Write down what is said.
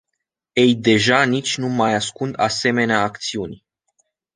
Ei deja nici nu mai ascund asemenea acțiuni.